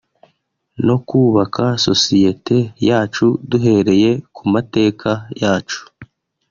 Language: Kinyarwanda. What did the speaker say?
no kubaka sosiyete yacu duhereye ku mateka yacu